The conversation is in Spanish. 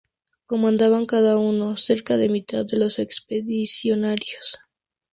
Comandaban cada uno, cerca de mitad de los expedicionarios.